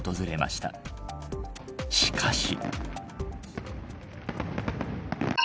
しかし。